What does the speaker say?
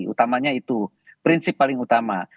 utamanya itu prinsip paling utama